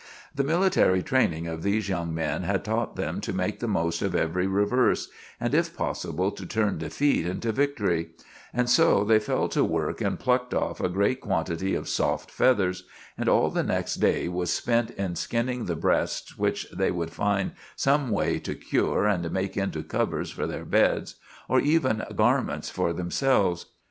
The military training of these young men had taught them to make the most of every reverse, and if possible to turn defeat into victory; and so they fell to work and plucked off a great quantity of soft feathers, and all the next day was spent in skinning the breasts, which they would find some way to cure and make into covers for their beds, or even garments for themselves.